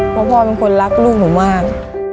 เพราะพ่อเป็นคนรักลูกหนูมาก